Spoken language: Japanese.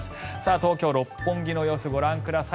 東京・六本木の様子ご覧ください。